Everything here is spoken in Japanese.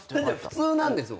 普通なんですもん。